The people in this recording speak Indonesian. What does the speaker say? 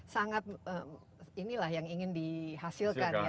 sangat inilah yang ingin dihasilkan ya